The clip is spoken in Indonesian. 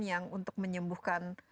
yang untuk menyembuhkan